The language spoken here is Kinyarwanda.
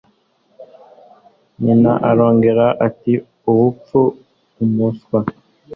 Nyina arongorera ati ubupfu umuswa